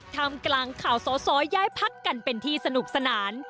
ทำกลางข่าวสอสอย้ายพักกันเป็นที่สนุกสนาน